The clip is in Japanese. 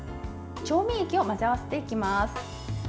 調味液を混ぜ合わせていきます。